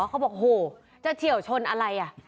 เขาบอกโหจะเฉียวชนอะไรอ่ะ